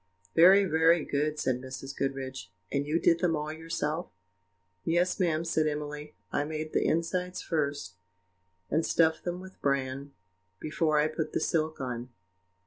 "Very, very good," said Mrs. Goodriche; "and you did them all yourself?" "Yes, ma'am," said Emily. "I made the insides first, and stuffed them with bran, before I put the silk on."